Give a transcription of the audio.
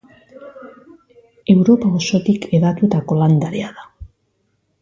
Europa osotik hedatutako landarea da.